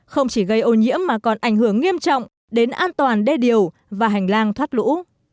không chỉ gây ô nhiễm mà còn ảnh hưởng nghiêm trọng đến an toàn đê điều và hành lang thoát lũ